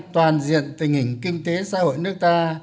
toàn diện tình hình kinh tế xã hội nước ta